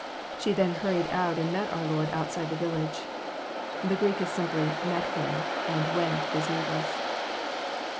She then hurried out, and met our Lord outside the village. The Greek is simply, met Him ;" and *' went " is needless.